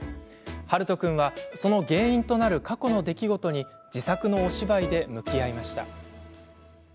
はると君は、その原因となる過去の出来事に自作のお芝居で向き合いました。